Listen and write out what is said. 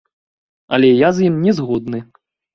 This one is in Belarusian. Але я з ім не згодны.